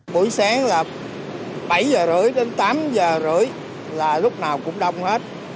buổi sáng là bảy h ba mươi đến tám h ba mươi là lúc nào cũng đông hết